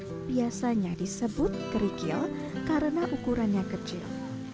dan biasanya disebut kerikil karena ukurannya kecil